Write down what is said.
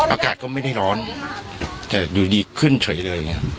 อากาศก็ไม่ได้ร้อนแต่ดูดีขึ้นเฉยเลย